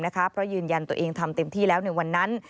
เพราะยืนยันตัวเองทำเต็มที่แล้วในวันนั้น